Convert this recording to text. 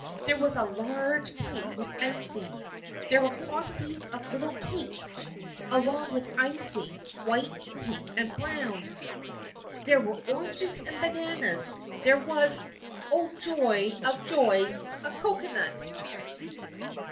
There was a large cake with icing, there were quantities of little cakes, also with icing, white, pink and brown. There 250 THE FKIENDSHIP OF ANNE were oranges and bananas. There was — oh, joy of joys — a cocoanut